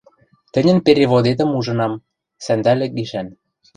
Тӹньӹн переводетӹм ужынам — «Сӓндӓлӹк гишӓн».